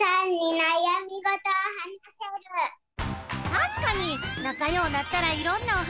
たしかになかようなったらいろんなおはなしするなあ。